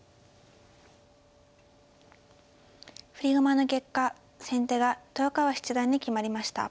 振り駒の結果先手が豊川七段に決まりました。